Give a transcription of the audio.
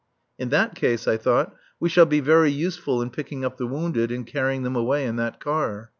"In that case," I thought, "we shall be very useful in picking up the wounded and carrying them away in that car."